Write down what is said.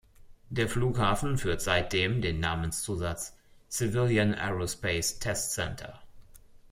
Der Flughafen führt seitdem den Namenszusatz „Civilian Aerospace Test Center“.